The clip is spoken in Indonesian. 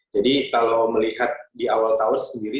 jadi kalau melihat di awal tahun sendiri